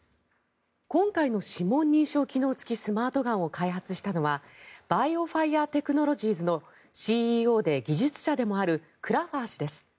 今回の指紋認証機能付きスマートガンを開発したのはバイオファイアー・テクノロジーズのＣＥＯで技術者でもあるクラファー氏です。